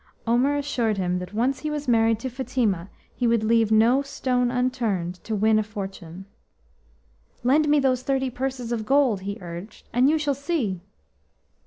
Omer assured him that once he was married to Fatima he would leave no stone unturned to win a fortune. "Lend me those thirty purses of gold," he urged, "and you shall see."